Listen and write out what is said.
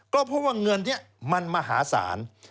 ก็เพราะว่าเงินนี้มันมหาศาล